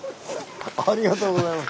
ありがとうございます。